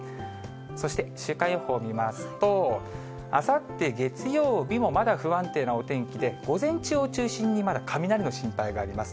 そして週間予報を見ますと、あさって月曜日もまだ不安定なお天気で、午前中を中心にまだ雷の心配があります。